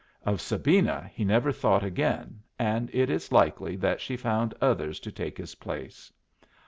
Of Sabina he never thought again, and it is likely that she found others to take his place.